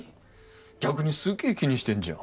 逆にスゲー気にしてんじゃん。